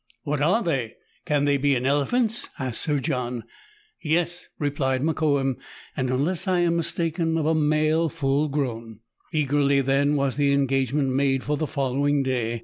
" What are they ? Can they be an elephant's?" asked Sir John. "Yes," replied Mokoum, "and, unless I am mistaken, of a male full grown." Eagerly, then, was the engagement made for the following day.